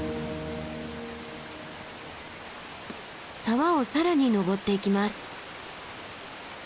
沢を更に登っていきます。